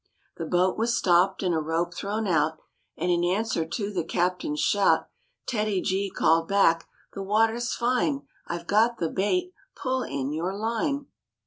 The boat was stopped and a rope thrown out, And in answer to the captain's shout TEDDY G called back, "The water's fine; I've got the bait; pull in your line."